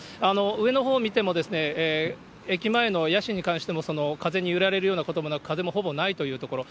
上のほう見ても、駅前のヤシに関しても風に揺られるようなこともなく、風もほぼないというところ。